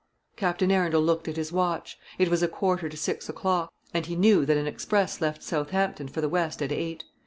Captain Arundel looked at his watch. It was a quarter to six o'clock, and he knew that an express left Southampton for the west at eight.